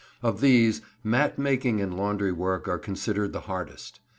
Of these mat making and laundry work are considered the hardest.